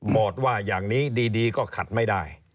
ว่าอย่างนี้ดีก็ขัดไม่ได้